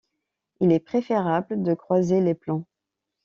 Il est préférable de croiser les plants.